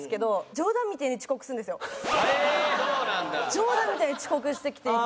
冗談みたいに遅刻してきて。